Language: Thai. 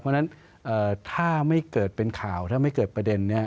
เพราะฉะนั้นถ้าไม่เกิดเป็นข่าวถ้าไม่เกิดประเด็นนี้